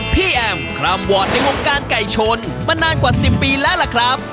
พี่แอมคร่ำวอร์ดในวงการไก่ชนมานานกว่า๑๐ปีแล้วล่ะครับ